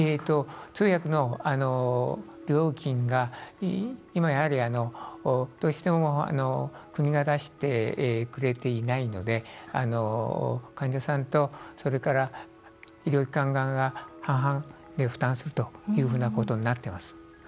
通訳の料金がどうしても国が出してくれていないので患者さんとそれから医療機関側が半々で負担するということになっています。